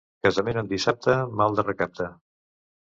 Casament en dissabte, mal de recapte.